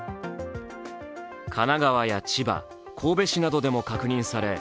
神奈川や千葉、神戸市などでも確認され